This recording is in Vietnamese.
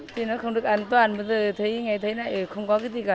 thì nó không được an toàn bây giờ thấy ngày thế này không có cái gì cả